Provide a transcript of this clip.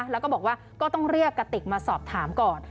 แล้วก็บอกว่าก็ต้องเรียกกระติกมาสอบถามก่อน